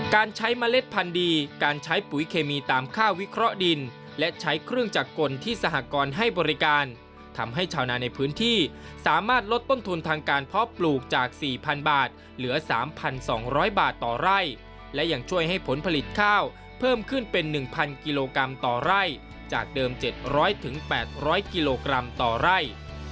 การใช้เมล็ดพันธุ์ดีการใช้ปุ๋ยเคมีตามค่าวิเคราะห์ดินและใช้เครื่องจักรกลที่สหกรณ์ให้บริการทำให้ชาวนาในพื้นที่สามารถลดต้นทุนทางการเพาะปลูกจาก๔๐๐๐บาทเหลือ๓๒๐๐บาทต่อไร่และยังช่วยให้ผลผลิตข้าวเพิ่มขึ้นเป็น๑๐๐กิโลกรัมต่อไร่จากเดิม๗๐๐๘๐๐กิโลกรัมต่อไร่